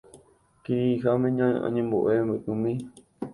Kirirĩháme añembo'e mbykymi.